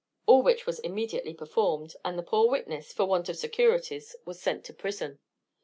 All which was immediately performed, and the poor witness, for want of securities, was sent to prison.